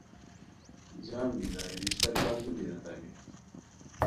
جم بیرائے رشتہ کاردو بیراتامی